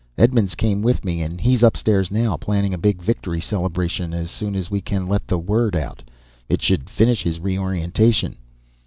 Edmonds came with me, and he's upstairs now, planning a big victory celebration as soon as we can let the word out. It should finish his reorientation."